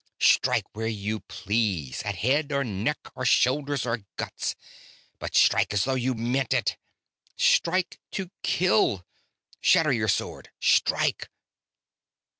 Strike where you please, at head or neck or shoulder or guts, but strike as though you meant it! Strike to kill! Shatter your sword! STRIKE!"